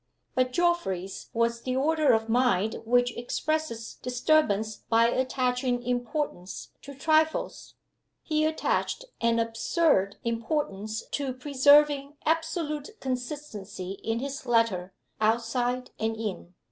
But Geoffrey's was the order of mind which expresses disturbance by attaching importance to trifles. He attached an absurd importance to preserving absolute consistency in his letter, outside and in.